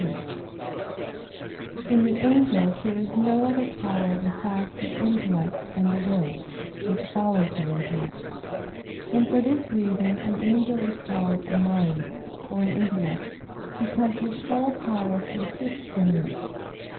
3: In the angels there is no other power besides the intellect, and the will, which follows the intellect. And for this reason an angel is called a "mind" or an "intellect"; because his whole power consists in this.